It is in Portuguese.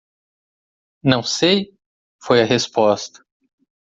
"Não sei?" foi a resposta.